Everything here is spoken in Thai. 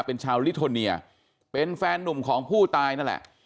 เป็นชาวลิโทเนียเป็นแฟนนุ่มของผู้ตายนั่นแหละ